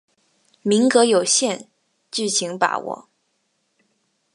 名额有限，敬请把握